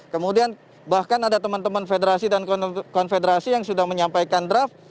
kemudian bahkan ada teman teman federasi dan konfederasi yang sudah menyampaikan draft